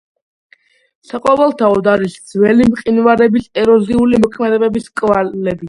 საყოველთაოდ არის ძველი მყინვარების ეროზიული მოქმედების კვლები.